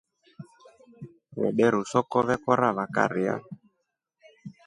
Rebweru soko vekora vakaria.